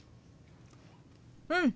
うん。